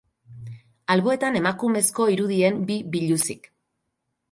Alboetan, emakumezko irudien bi biluzi.